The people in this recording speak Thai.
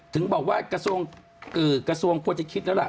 ถึงบอกว่ากระทรวงควรจะคิดแล้วล่ะ